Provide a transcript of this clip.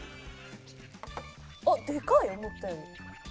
あっでかい思ったより。